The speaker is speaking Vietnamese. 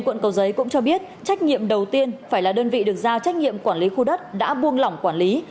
quận cầu giấy cũng cho biết trách nhiệm đầu tiên phải là đơn vị được giao trách nhiệm quản lý khu đất đã buông lỏng quản lý